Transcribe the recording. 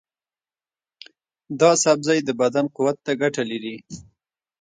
دا سبزی د بدن قوت ته ګټه لري.